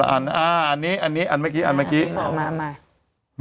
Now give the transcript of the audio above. อันนี้อันเมื่อกี้